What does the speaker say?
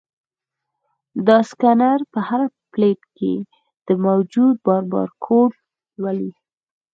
دا سکینر په هر پلیټ کې د موجود بار بارکوډ لولي.